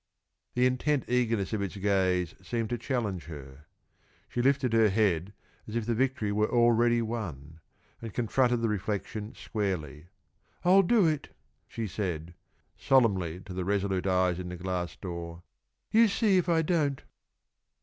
The intent eagerness of its gaze seemed to challenge her. She lifted her head as if the victory were already won, and confronted the reflection squarely. "I'll do it!" she said, solemnly to the resolute eyes in the glass door. "You see if I don't!"